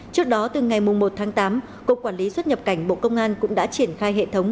trước đó từ ngày một tháng tám cục quản lý xuất nhập cảnh bộ công an cũng đã triển khai hệ thống